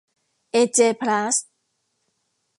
เอ เจ พลาสท์